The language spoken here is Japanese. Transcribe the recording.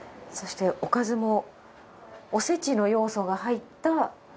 そしておかずもおせちの要素が入った。